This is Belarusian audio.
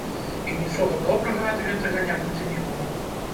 І нічога добрага ад гэтага не будзе нікому!